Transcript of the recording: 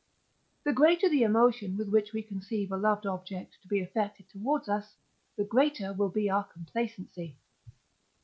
The greater the emotion with which we conceive a loved object to be affected towards us, the greater will be our complacency.